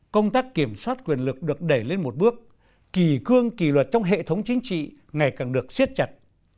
công tác kiểm soát quyền lực được đẩy lên một bước kỳ cương kỳ luật trong hệ thống chính trị ngày càng được siết chặt